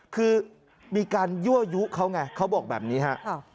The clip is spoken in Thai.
คือมีการยั่วยุเขาไงเขาบอกแบบนี้ฮะ